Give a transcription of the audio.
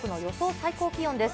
最高気温です。